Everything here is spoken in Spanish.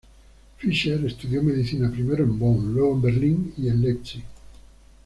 Fischer estudió medicina, primero en Bonn, luego en Berlín y Leipzig.